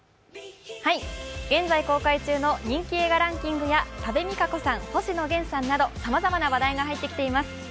現在公開中の人気映画ランキングや多部未華子さん、星野源さんなどさまざまな話題が入ってきています。